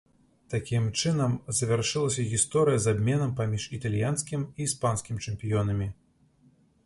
Такім чынам, завяршылася гісторыя з абменам паміж італьянскім і іспанскім чэмпіёнамі.